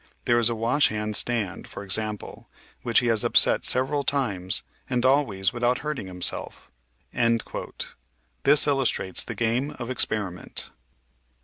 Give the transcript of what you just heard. There is a washhand stand, for example, which he has upset several times, and always without hurting himself." This illustrates the game of experi ment.